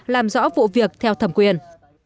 làm rõ vụ việc theo thẩm quyền